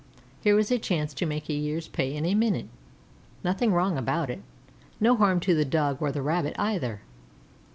Here was a chance to make a year's pay in a minute, nothing wrong about it, no harm to the Dog or the Rabbit either.